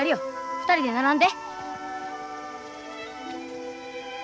２人で並んで。